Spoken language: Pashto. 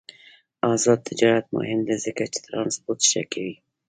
آزاد تجارت مهم دی ځکه چې ترانسپورت ښه کوي.